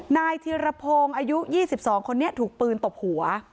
นายธีรพงศ์อายุ๒๒คนนี้ถูกปืนตบหัว